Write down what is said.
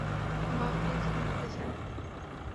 বাবা, প্লিজ ঘুমোতে যান।